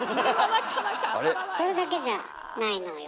それだけじゃないのよ。